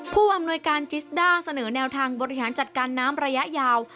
ผู้อำนวยการจิสด้าเสนอแนวทางบริหารจัดการน้ำระยะยาว